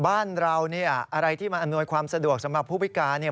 บ้านเราเนี่ยอะไรที่มันอำนวยความสะดวกสำหรับผู้พิการเนี่ย